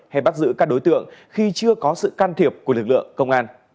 hay bắt giữ các đối tượng khi chưa có sự can thiệp của lực lượng công an